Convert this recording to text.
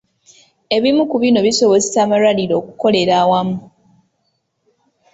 Ebimu ku bino bisobozesa amalwaliro okukolera awamu.